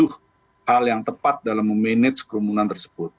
hal yang tepat dalam memanage kerumbunan tersebut